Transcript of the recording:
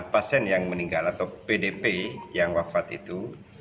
pasien yang meninggal atau pdp yang wafat itu